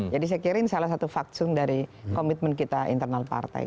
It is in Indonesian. saya kira ini salah satu faksun dari komitmen kita internal partai